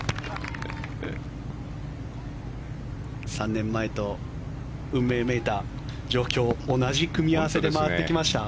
３年前と運命めいた状況同じ組み合わせで回ってきました。